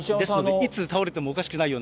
いつ倒れでもおかしくないよ